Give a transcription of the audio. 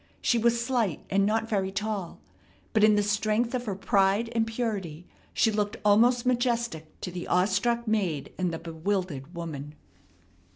She was slight and not very tall, but in the strength of her pride and purity she looked almost majestic to the awestruck maid and the bewildered woman.